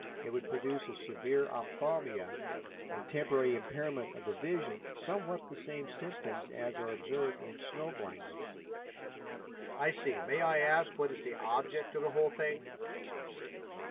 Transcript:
It would produce a severe opthalmia and temporary impairment of the vision, somewhat the same symptoms as are observed in snow blindness." "I see. May I ask what is the object of the whole thing?"